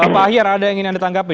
pak ahyar ada yang ingin anda tanggapi